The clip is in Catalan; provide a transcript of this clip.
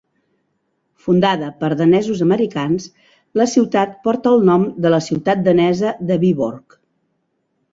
Fundada per danesos-americans, la ciutat porta el nom de la ciutat danesa de Viborg.